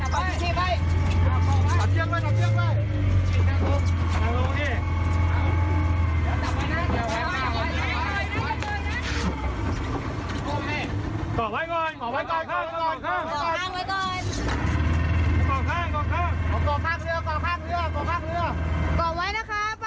ก่อไว้นะครับป้า